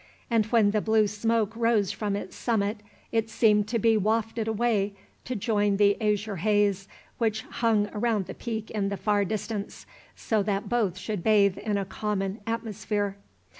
And when the blue smoke rose from its summit, it seemed to be wafted away to join the azure haze which hung around the peak in the far distance, so that both should bathe in a common atmosphere.